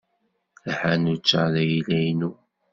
Taḥanut-a d ayla-inu.